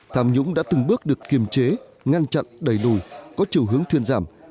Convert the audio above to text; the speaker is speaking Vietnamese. tham nhũng đã từng bước được kiềm chế ngăn chặn đẩy đùi có chiều hướng thuyền giảm